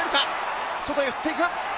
外へ振っていく。